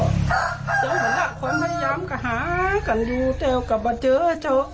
เจ้าหลักความพยายามก็หากันอยู่เจ้ากลับมาเจอเจ้า